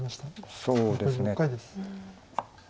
そうですね。